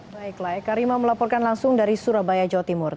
baiklah eka rima melaporkan langsung dari surabaya jawa timur